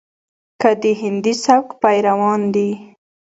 کې د هندي سبک پېروان دي،